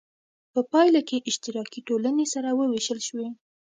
په پایله کې اشتراکي ټولنې سره وویشل شوې.